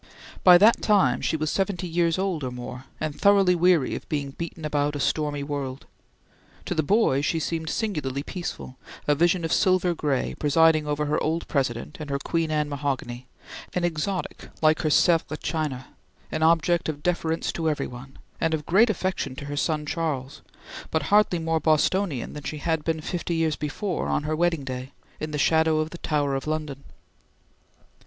By that time she was seventy years old or more, and thoroughly weary of being beaten about a stormy world. To the boy she seemed singularly peaceful, a vision of silver gray, presiding over her old President and her Queen Anne mahogany; an exotic, like her Sevres china; an object of deference to every one, and of great affection to her son Charles; but hardly more Bostonian than she had been fifty years before, on her wedding day, in the shadow of the Tower of London.